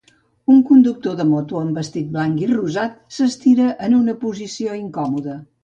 Un conductor de moto amb vestit blanc i rosat s'estira en una posició incòmoda.